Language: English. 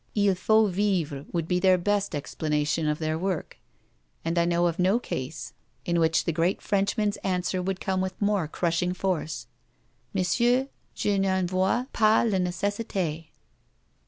'Il faut vivre' would be their best explanation of their work; and I know of no case in which the great Frenchman's answer would come with more crushing force, 'Monsieur, je n'en vois pas la nécessité.'